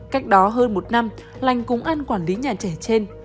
cách đó hơn một năm lành cùng ăn quản lý nhà trẻ trên